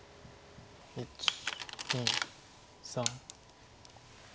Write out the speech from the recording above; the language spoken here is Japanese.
１２３。